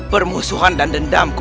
permusuhan dan dendamku